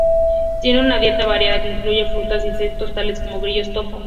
Tiene una dieta variada que incluye frutas e insectos tales como grillos topo.